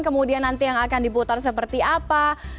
kemudian nanti yang akan diputar seperti apa